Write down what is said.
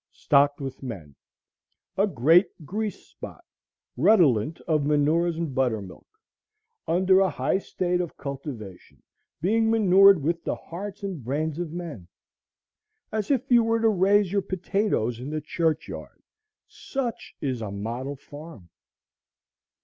Stocked with men! A great grease spot, redolent of manures and buttermilk! Under a high state of cultivation, being manured with the hearts and brains of men! As if you were to raise your potatoes in the church yard! Such is a model farm.